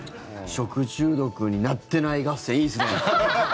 食中毒になってない合戦いいですね。